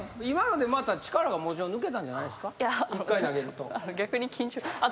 今のでまた力が抜けたんじゃないですか？